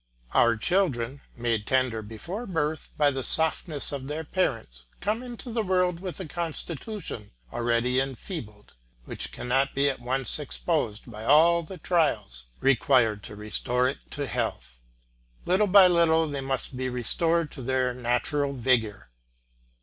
Our children, made tender before birth by the softness of their parents, come into the world with a constitution already enfeebled, which cannot be at once exposed to all the trials required to restore it to health. Little by little they must be restored to their natural vigour.